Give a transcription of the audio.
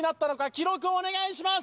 記録お願いします！